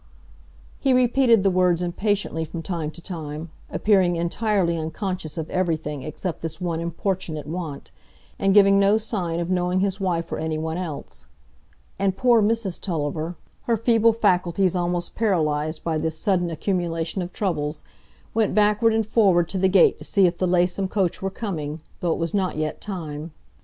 He repeated the words impatiently from time to time, appearing entirely unconscious of everything except this one importunate want, and giving no sign of knowing his wife or any one else; and poor Mrs Tulliver, her feeble faculties almost paralyzed by this sudden accumulation of troubles, went backward and forward to the gate to see if the Laceham coach were coming, though it was not yet time.